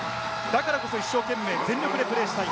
だからこそ一生懸命、全力でプレーしたい。